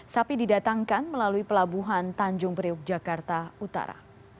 sapi didatangkan melalui pelabuhan tanjung priok jakarta utara